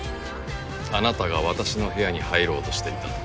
あなたが私の部屋に入ろうとしていたと。